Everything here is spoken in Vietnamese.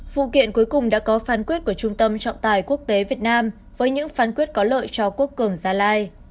vụ kiện cuối cùng đã có phán quyết của trung tâm trọng tài quốc tế việt nam với những phán quyết có lợi cho quốc cường gia lai